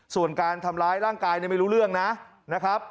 ส่วนการทำร้ายร่างกายเนี่ยไม่รู้เรื่องนะครับ